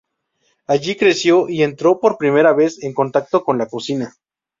Allí creció y entró por primera vez en contacto con la cocina.